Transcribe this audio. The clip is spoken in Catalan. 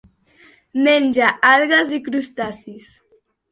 Menja algues i crustacis.